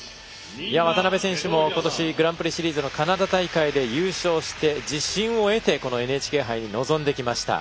渡辺選手も今年グランプリシリーズのカナダ大会で優勝して自信を得てこのＮＨＫ杯に臨んできました。